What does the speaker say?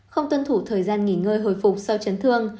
không tuân thủ thời gian nghỉ ngơi hồi phục sau chấn thương